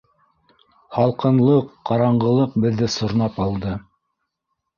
Һалҡынлыҡ, ҡараңғылыҡ беҙҙе сорнап алды.